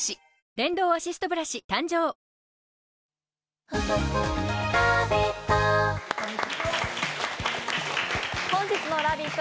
電動アシストブラシ誕生本日のラヴィット！